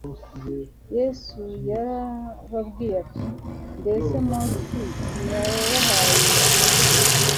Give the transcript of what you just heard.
Yesu yarababwiye ati : «Mbese Mose ntiyabahaye amategeko?